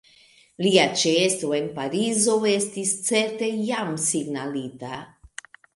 Lia ĉeesto en Parizo estis certe jam signalita.